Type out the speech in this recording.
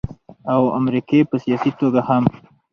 او امريکې په سياسي توګه هم